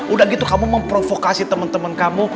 udah gitu kamu memprovokasi temen temen kamu